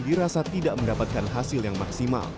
dirasa tidak mendapatkan hasil yang maksimal